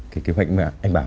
cái kế hoạch mà anh bảo ấy